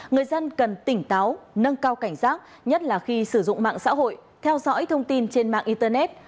người dân cần tỉnh táo nâng cao cảnh giác nhất là khi sử dụng mạng xã hội theo dõi thông tin trên mạng internet